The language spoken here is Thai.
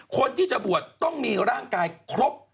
คนที่จะบวชต้องมีร่างกายครบ